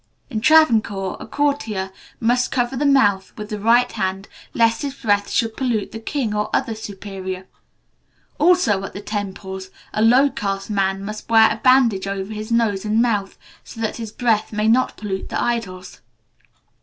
In Travancore, a courtier must cover the mouth with the right hand, lest his breath should pollute the king or other superior. Also, at the temples, a low caste man must wear a bandage over his nose and mouth, so that his breath may not pollute the idols.